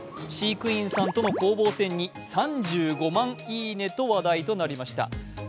飼育員さんとの攻防戦に３５万いいねと話題になりました。